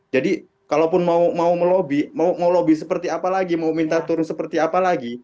jadi kalaupun mau melobi mau melobi seperti apa lagi mau minta turun seperti apa lagi